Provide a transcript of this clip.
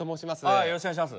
あよろしくお願いします。